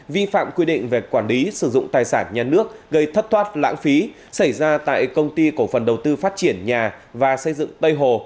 vi phạm quy định về quản lý sử dụng tài sản nhà nước gây thất thoát lãng phí xảy ra tại công ty cổ phần đầu tư phát triển nhà và xây dựng tây hồ